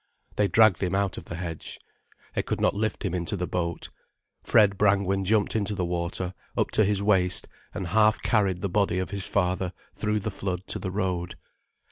They dragged him out of the hedge. They could not lift him into the boat. Fred Brangwen jumped into the water, up to his waist, and half carried the body of his father through the flood to the road.